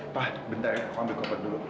pak bentar ya kamu ambil koper dulu